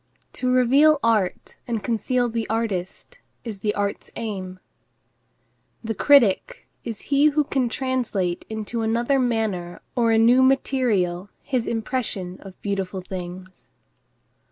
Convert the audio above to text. To reveal art and conceal the artist is art's aim. The critic is he who can translate into another manner or a new material his impression of beautiful things.